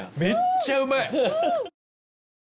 めっちゃうまいな。